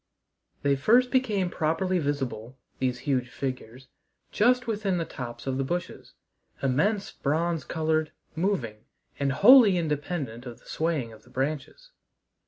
They first became properly visible, these huge figures, just within the tops of the bushes immense bronze colored, moving, and wholly independent of the swaying of the branches.